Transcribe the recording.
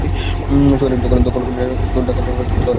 শহরে তখন কোন শাসক ছিল না, চোর-ডাকাতরা শহরে ও বাগ-বাগিচায় ঢুকে পড়ে।